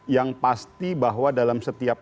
yang pasti bahwa dalam setiap